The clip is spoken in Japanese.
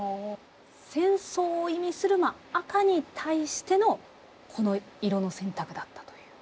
戦争を意味する赤に対してのこの色の選択だったという。